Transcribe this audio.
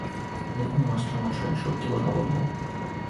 কিন্তু দেখুন মাস্টারমশায়, সত্যি কথা বলব।